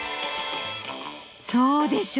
そうでしょ。